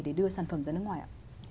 để đưa sản phẩm ra nước ngoài ạ